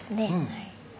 はい。